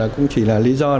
cũng chỉ là lý do để anh hiệu